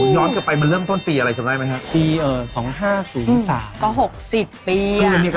ย้อนจะไปมาเริ่มต้นปีอะไรครับได้ไหมคะปี๒๕๐๓ก็๖๐ปี